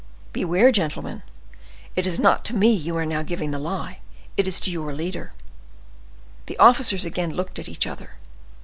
"Beware, gentlemen; it is not to me you are now giving the lie, it is to your leader." The officers again looked at each other.